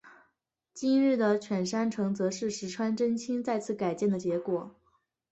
今日的犬山城则是石川贞清再次改建的结果。